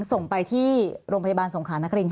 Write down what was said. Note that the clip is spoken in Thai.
ส่งไปที่โรงพยาบาลสงครานักริงค่ะ